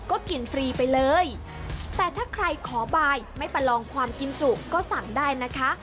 ก็กินฟรีไปเลยแต่ถ้าใครขอบายไม่ประลองความกินจุก็สั่งได้นะคะ